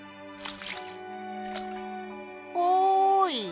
おい！